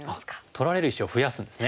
取られる石を増やすんですね。